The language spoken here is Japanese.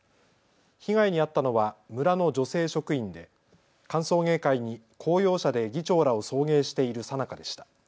被害に遭ったのは村の女性職員で歓送迎会に公用車で議長らを送迎しているさなかでした。